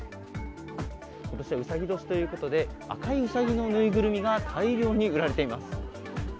今年はうさぎ年ということで赤いうさぎのぬいぐるみが大量に売られています。